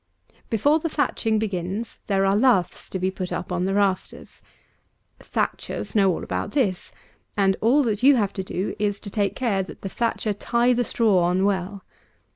Before the thatching begins, there are laths to put upon the rafters. Thatchers know all about this, and all that you have to do is, to take care that the thatcher tie the straw on well.